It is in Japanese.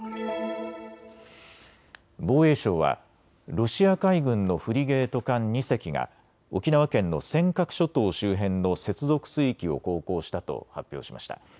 防衛省はロシア海軍のフリゲート艦２隻が沖縄県の尖閣諸島周辺の接続水域を航行したと発表しました。